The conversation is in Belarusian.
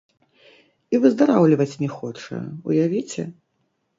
І выздараўліваць не хоча, уявіце!